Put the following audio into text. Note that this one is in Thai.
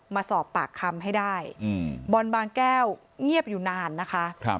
มาสอบปากคำให้ได้บอลบางแก้วเงียบอยู่นานนะคะ